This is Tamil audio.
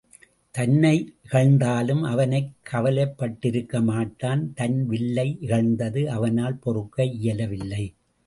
தன்னை இகழ்ந்தாலும் அவன் கவலைப்பட்டிருக்க மாட்டான் தன் வில்லை இகழ்ந்தது அவனால் பொறுக்க இயலவில்லை.